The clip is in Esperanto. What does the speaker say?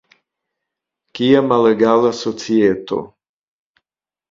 Kia malegala societo!